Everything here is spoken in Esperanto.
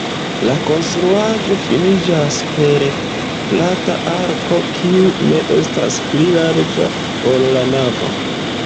La konstruaĵo finiĝas per plata arko, kiu ne estas pli larĝa, ol la navo.